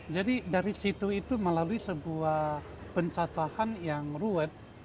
jadi dari situ itu melalui sebuah pencacahan yang ruwet